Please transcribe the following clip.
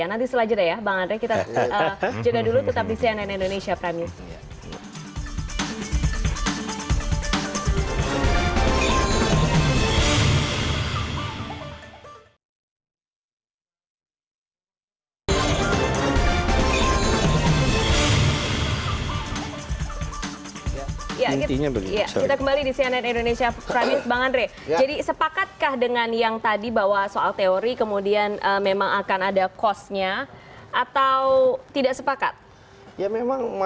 nanti selanjutnya ya bang andre